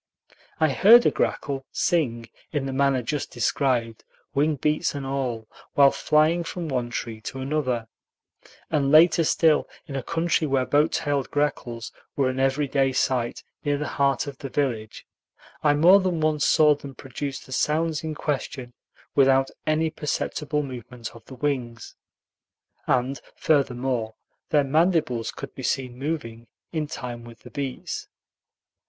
I heard a grackle "sing" in the manner just described, wing beats and all, while flying from one tree to another; and later still, in a country where boat tailed grackles were an every day sight near the heart of the village, I more than once saw them produce the sounds in question without any perceptible movement of the wings, and furthermore, their mandibles could be seen moving in time with the beats.